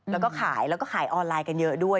แล้วก็ขายแล้วก็ขายออนไลน์กันเยอะด้วย